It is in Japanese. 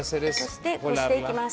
そして、こしていきます。